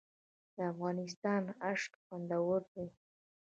د افغانستان اشک خوندور دي